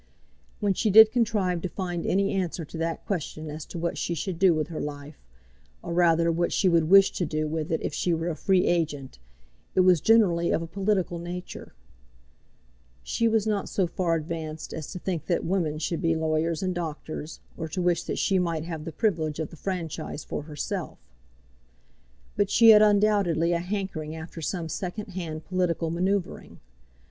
When she did contrive to find any answer to that question as to what she should do with her life, or rather what she would wish to do with it if she were a free agent, it was generally of a political nature. She was not so far advanced as to think that women should be lawyers and doctors, or to wish that she might have the privilege of the franchise for herself; but she had undoubtedly a hankering after some second hand political manoeuvering.